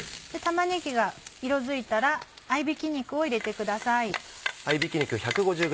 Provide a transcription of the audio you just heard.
玉ねぎが色づいたら合びき肉を入れてください。